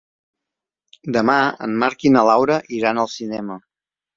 Demà en Marc i na Laura iran al cinema.